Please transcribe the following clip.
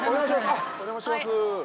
お邪魔します。